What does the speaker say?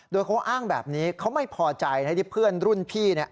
โดยเขาอ้างแบบนี้เขาไม่พอใจนะที่เพื่อนรุ่นพี่เนี่ย